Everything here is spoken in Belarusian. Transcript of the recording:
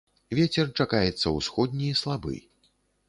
Вецер чакаецца ўсходні слабы.